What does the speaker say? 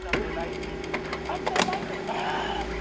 mara nyingi huwa ni mnyama mmoja tu katika kundi